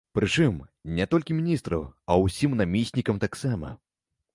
Прычым, не толькі міністру, а і ўсім намеснікам таксама.